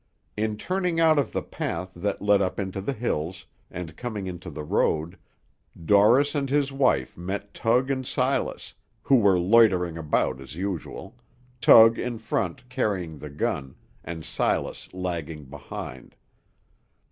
In turning out of the path that led up into the hills, and coming into the road, Dorris and his wife met Tug and Silas, who were loitering about, as usual; Tug in front, carrying the gun, and Silas lagging behind.